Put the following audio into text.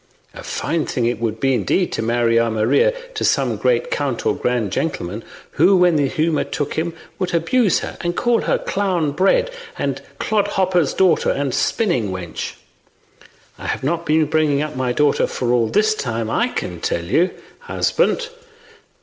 A fine thing it would be, indeed, to marry our Maria to some great count or grand gentleman, who, when the humour took him, would abuse her and call her clown bred and clodhopper's daughter and spinning wench. I have not been bringing up my daughter for that all this time, I can tell you, husband.